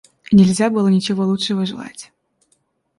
Нельзя было ничего лучшего желать.